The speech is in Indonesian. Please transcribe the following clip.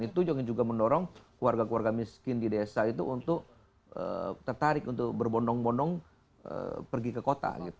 itu juga mendorong keluarga keluarga miskin di desa itu untuk tertarik untuk berbondong bondong pergi ke kota